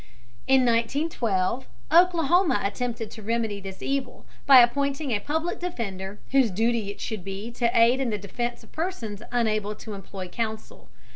In 1912 Oklahoma attempted to remedy this evil by appointing a Public Defender whose duty it should be to aid in the defense of persons unable to employ counsel.